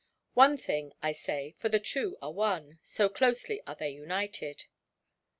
One thing, I say, for the two are one, so closely are they united.